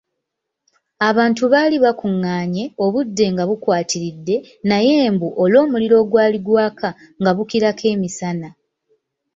Abantu baali bakungaanye, obudde nga bukwatiridde naye mbu olw’omuliro ogwali gwaka nga bukirako emisana.